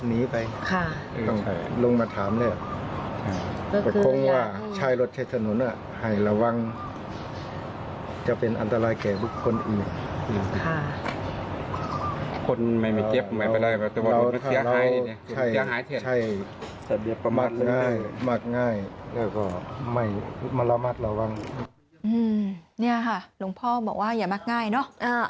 นี่ค่ะหลวงพ่อบอกว่าอย่ามักง่ายเนอะ